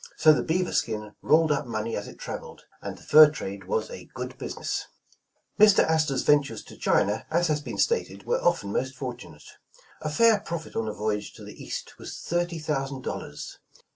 So the beaver skin rolled up money as it traveled, and the fur trade was a good business. Mr. Astor's ventures to China, as has been stated, were often most fortunate. A fair profit on a voyage to the East was thirty thousand dollars.